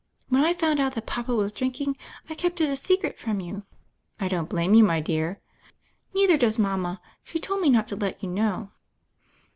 When I found out that papa was drinking, I kept it a secret from you." "I don't blame you, my dear." "Neither does mama ; she told me not to let you know."